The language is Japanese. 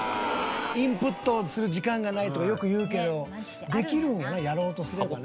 インプットする時間がないとかよく言うけどできるんよねやろうとすればね。